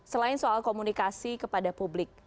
selain soal komunikasi kepada publik